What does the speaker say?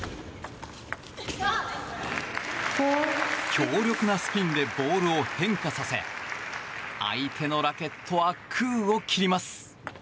強力なスピンでボールを変化させ相手のラケットは空を切ります。